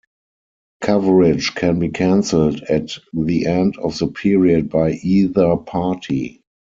Coverage can be cancelled at the end of the period by either party.